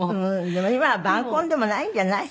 でも今は晩婚でもないんじゃない？